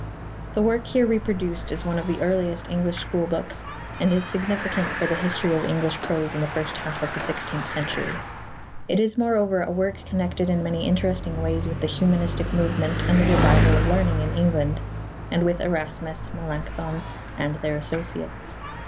The work here reproduced is one of the earliest English schoolbooks and is significant for the history of English prose in the first half of the sixteenth century. It is moreover a work connected in many interesting ways with the humanistic movement and the revival of learning in England, and with Erasmus, Melanchthon, and their associates.